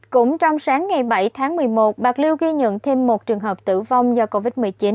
cũng trong sáng ngày bảy tháng một mươi một bạc liêu ghi nhận thêm một trường hợp tử vong do covid một mươi chín